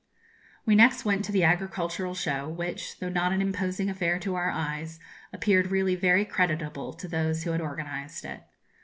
We next went to the agricultural show, which, though not an imposing affair to our eyes, appeared really very creditable to those who had organised it.